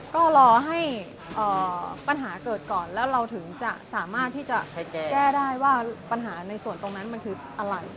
ก็รอให้ปัญหาเกิดก่อนแล้วเราถึงจะสามารถที่จะแก้ได้ว่าปัญหาในส่วนตรงนั้นมันคืออะไร